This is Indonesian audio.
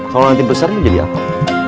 kalau nanti besarnya jadi apa